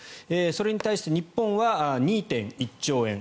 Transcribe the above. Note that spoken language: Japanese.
それに対して日本は２．１兆円